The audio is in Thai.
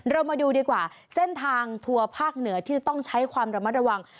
เรามาดูดีกว่าเส้นทางทัวร์ภาคเหนือที่จะต้องใช้ความระมัดระวัง